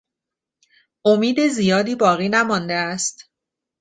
امید زیادی باقی نمانده است.